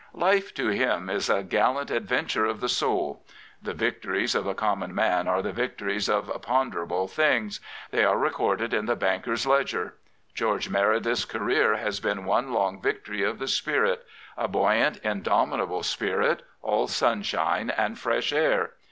Life to him is a gallant adventure of the soul. The victories of the common man are the victories of ponderable things. They are recorded in the banker's ledger. George Meredith's career has been one long victory of the spirit — a buoyant, indomitable spirit, all sunshine and fresh air.